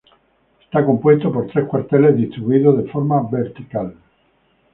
Está compuesto por tres cuarteles distribuidos de forma vertical.